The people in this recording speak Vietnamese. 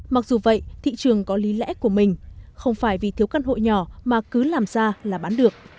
mặc dù vậy thị trường có lý lẽ của mình không phải vì thiếu căn hộ nhỏ mà cứ làm ra là bán được